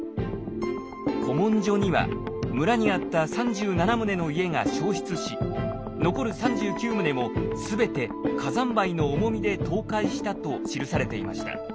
古文書には村にあった３７棟の家が焼失し残る３９棟も全て火山灰の重みで倒壊したと記されていました。